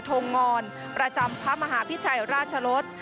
ทงงอนประจำพระมหาพิชัยราชรส